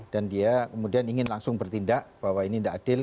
dan dia kemudian ingin langsung bertindak bahwa ini tidak adil